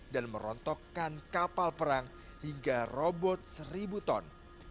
dan merontokkan kapal perang hingga robot seribu ton